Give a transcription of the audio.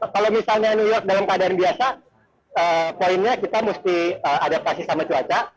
kalau misalnya new york dalam keadaan biasa poinnya kita mesti adaptasi sama cuaca